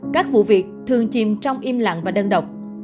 các vụ việc thường chìm trong im lặng và đơn độc